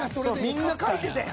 みんな書いてたやん。